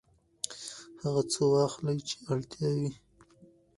هغه څه واخلئ چې اړتیا وي.